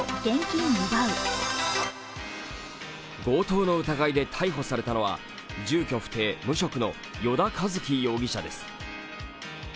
強盗の疑いで逮捕されたのは住居不定・無職の依田一樹容疑者です。